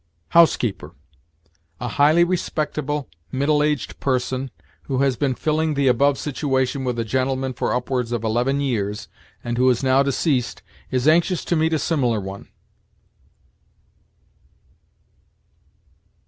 "HOUSEKEEPER. A highly respectable middle aged Person who has been filling the above Situation with a gentleman for upwards of eleven years and who is now deceased is anxious to meet a similar one."